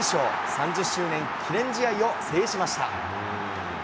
３０周年記念試合を制しました。